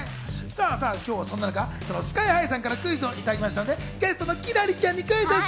今日はそんな中、ＳＫＹ−ＨＩさんからクイズをいただきましたので、ゲストの輝星ちゃんにクイズッス！